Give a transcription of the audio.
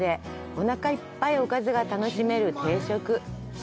おなかいっぱいおかずが楽しめる定食。